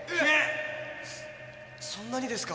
そんなにですか？